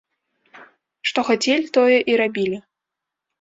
Што хацелі, тое і рабілі.